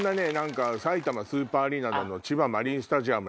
さいたまスーパーアリーナだの千葉マリンスタジアム。